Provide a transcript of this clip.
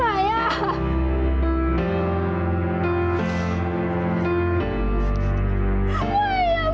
ไม่ไม่จริง